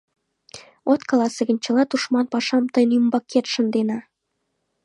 От каласе гын, чыла тушман пашам тыйын ӱмбакет шындена.